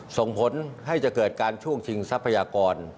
ส่งผลให้จะเกิดการช่วงชิงทรัพยากร